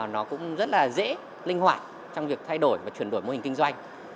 nó cũng rất là dễ linh hoạt trong việc thay đổi và chuyển đổi mô hình kinh doanh